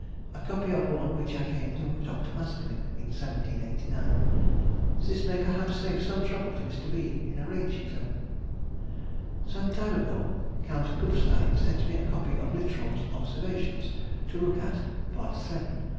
(a copy of one which I gave to Dr. Maskelyne in 1789). This, may perhaps save some trouble to Mr. B. in arranging them. Some time ago Count Kupfstein sent me a copy of Littrow's observations to look at (Part VII.